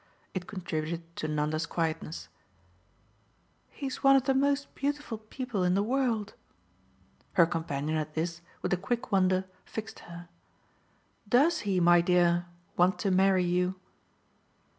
It contributed to Nanda's quietness. "He's one of the most beautiful people in the world." Her companion at this, with a quick wonder, fixed her. "DOES he, my dear, want to marry you?"